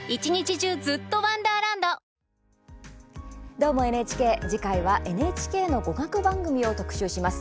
「どーも、ＮＨＫ」次回はＮＨＫの語学番組を特集します。